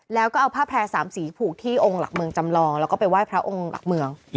แล้วก็เอาผ้าแพร่๓สีผูกที่องค์หลักเมืองจำลองแล้วก็ไปไหว้พระองค์หลักเมือง